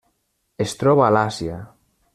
Es troba a l'Àsia.